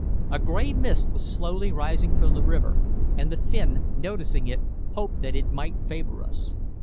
A gray mist was slowly rising from the water, and the Finn, noticing it, hoped that it might favor us.